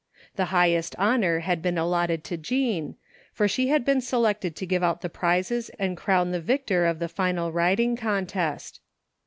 The highest honor had been allotted to Jean, for she had been selected to give out the prizes and crown the victor of the final riding contest.